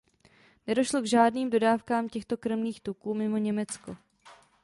Nedošlo k žádným dodávkám těchto krmných tuků mimo Německo.